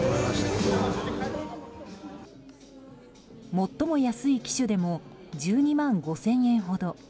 最も安い機種でも１２万５０００円ほど。